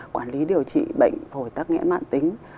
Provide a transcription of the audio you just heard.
quản lý điều trị bệnh phổi tắc nghẽn mạng tính